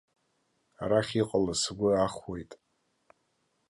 Арахь иҟалаз сгәы ахәуеит.